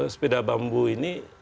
sepeda bambu ini